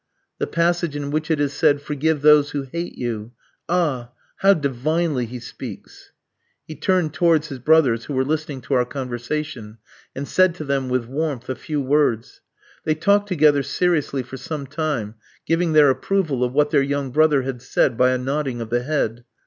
"The passage in which it is said, 'Forgive those that hate you!' Ah! how divinely He speaks!" He turned towards his brothers, who were listening to our conversation, and said to them with warmth a few words. They talked together seriously for some time, giving their approval of what their young brother had said by a nodding of the head.